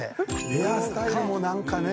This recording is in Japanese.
ヘアスタイルも何かね。